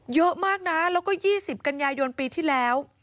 เยอะมากนะแล้วก็๒๐กันยายนปีที่แล้ว